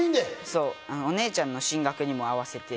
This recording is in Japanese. お姉ちゃんの進学にも合わせて。